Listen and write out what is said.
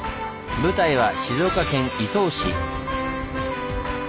舞台は静岡県伊東市。